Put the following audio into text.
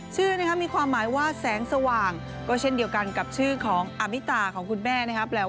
ชื่อนะครับมีความหมายว่าแสงสว่างก็เช่นเดียวกันกับชื่อของอามิตาของคุณแม่นะครับ